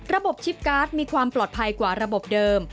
ระบบชิปการ์ดมีความปลอดภัยกว่าระบบเดิม